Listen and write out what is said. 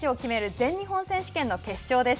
全日本選手権の決勝です。